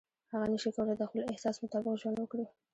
هغه نشي کولای د خپل احساس مطابق ژوند وکړي.